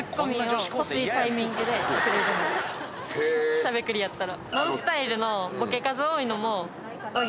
しゃべくりやったら。